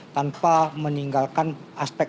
tanpa meninggalkan aspek aspek